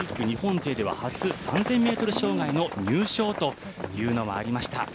日本勢では初３０００ｍ障害の入賞というのがありました。